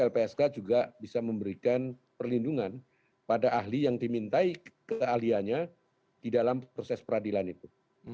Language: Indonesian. lpsk juga bisa memberikan perlindungan pada ahli yang dimintai keahliannya di dalam proses peradilan itu